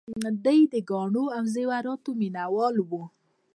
دوی د ګاڼو او زیوراتو مینه وال وو